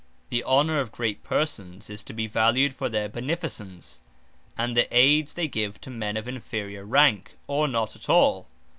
The honour of great Persons, is to be valued for their beneficence, and the aydes they give to men of inferiour rank, or not at all.